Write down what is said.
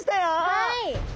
はい。